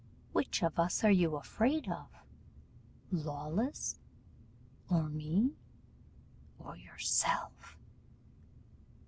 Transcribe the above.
Which of us are you afraid of, Lawless, or me, or yourself?